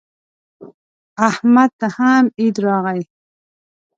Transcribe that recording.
احمد ته هم عید راغی.